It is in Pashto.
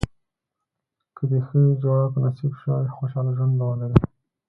که دې ښه جوړه په نصیب شوه خوشاله ژوند به ولرې.